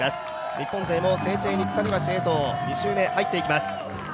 日本勢もセーチェーニ鎖橋へと２周目入っていきます。